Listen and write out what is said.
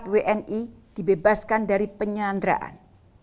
empat wni dibebaskan dari penyanderaan